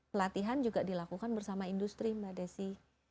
pelatihan juga dilakukan bersama industri mbak desi